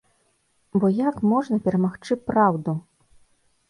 Бо як можна перамагчы праўду?!